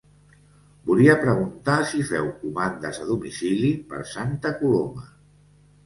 Volia preguntar si feu comandes a domicili per Santa Coloma?